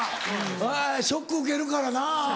ショック受けるからな。